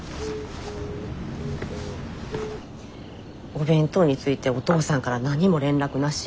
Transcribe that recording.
お弁当についておとうさんから何も連絡なし？